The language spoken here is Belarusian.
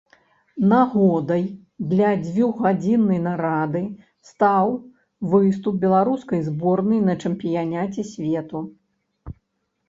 Нагодай для дзвюхгадзіннай нарады стаў выступ беларускай зборнай на чэмпіянаце свету.